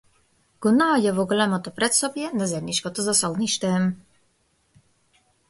Го наоѓа во големото претсобје на заедничкото засолниште.